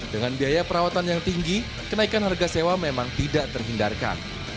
dengan biaya perawatan yang tinggi kenaikan harga sewa memang tidak terhindarkan